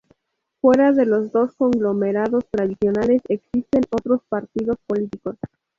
Fuera de los dos conglomerados tradicionales, existen otros partidos políticos.